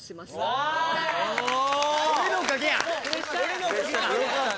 俺のおかげか。